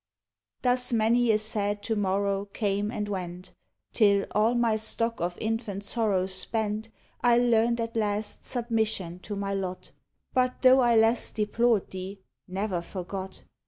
Thus many a sad to morrow came and went, Till, all my stock of infant sorrows spent, 1 learned at last submission to my lot ; Hut. though I less deplored thee, ne'er forgot.